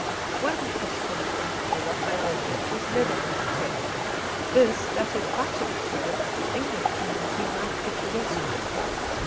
One possibility, however, I noticed, was never entertained viz., that, if fighting occurred, the English community might get the worst of it.